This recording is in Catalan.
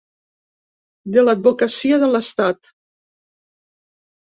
De l’advocacia de l’estat.